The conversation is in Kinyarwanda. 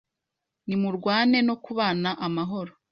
nimurwane nokubana amahoro